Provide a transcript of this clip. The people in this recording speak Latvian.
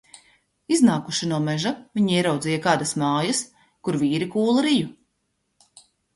Iznākuši no meža, viņi ieraudzīja kādas mājas, kur vīri kūla riju.